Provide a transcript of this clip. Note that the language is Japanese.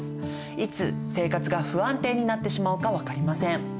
いつ生活が不安定になってしまうか分かりません。